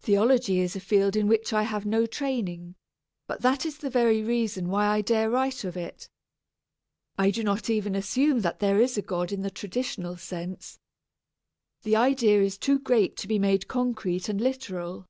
Theology is a field in which I have had no training, but that is the very reason why I dare write of it. I do not even assume that there is a God in the traditional sense. The idea is too great to be made concrete and literal.